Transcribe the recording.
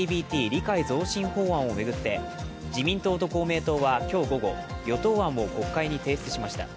理解増進法案を巡って自民党と公明党は今日午後、与党案を国会に提出しました。